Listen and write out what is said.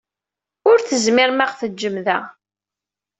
Ur tezmirem ad ɣ-teǧǧem da.